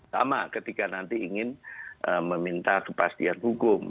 sama ketika nanti ingin meminta kepastian hukum